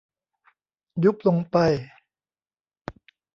ยุบลงไป